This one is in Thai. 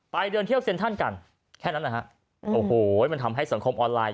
เดินเที่ยวเซ็นทรัลกันแค่นั้นนะฮะโอ้โหมันทำให้สังคมออนไลน์